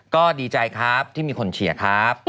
ก็ดีใจครับที่มีคนเชียร์ครับ